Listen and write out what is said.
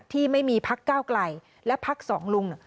ที่ไม่มีภักดิ์ก้าวไกลและภักดิ์สองลุง